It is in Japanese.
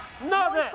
なぜ？